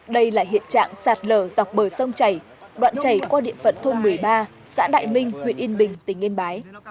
đây là hiện trạng sạt lở dọc bờ sông chảy đoạn chảy qua địa phận thôn một mươi ba xã đại minh huyện yên bình tỉnh yên bái